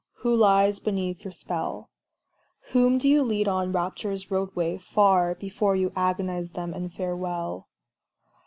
Who lies beneath your spell? Whom do you lead on Rapture's roadway, far, Before you agonise them in farewell?